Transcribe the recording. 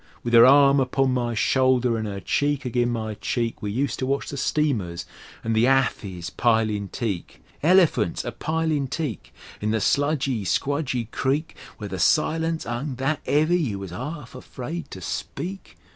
With 'er arm upon my shoulder an' 'er cheek agin' my cheek We useter watch the steamers an' the hathis pilin' teak. Elephints a pilin' teak In the sludgy, squdgy creek, Where the silence 'ung that 'eavy you was 'arf afraid to speak!